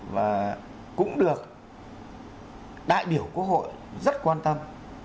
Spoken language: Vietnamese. và cũng được đại biểu quốc hội rất quan tâm